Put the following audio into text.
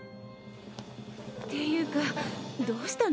っていうかどうしたの？